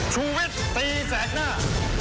ชุวิตตีแสกหน้า